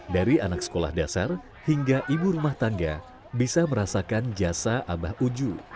dari anak sekolah dasar hingga ibu rumah tangga bisa merasakan jasa abah uju